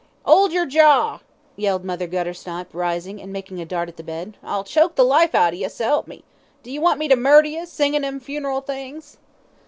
"'Old yer jawr," yelled Mother Guttersnipe, rising, and making a dart at the bed. "I'll choke the life out ye, s'elp me. D'y want me to murder ye, singin' 'em funeral things?"